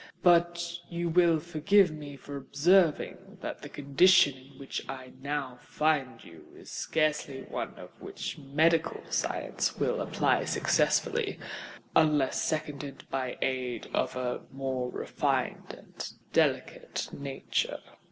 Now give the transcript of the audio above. But you will forgive me for observing that the condition in which I now find you, is scarcely one to which medical science will apply successfully—unless seconded by aid of a more refined and delicate nature."